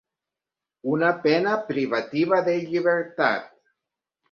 Una pena privativa de llibertat.